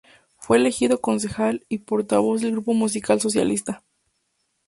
Fue elegido concejal y portavoz del Grupo Municipal Socialista.